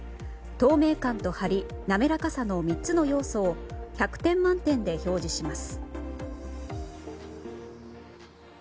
透明感とハリ、滑らかさの３つの要素を１００点満点で表示します。